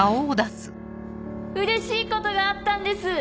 うれしいことがあったんです！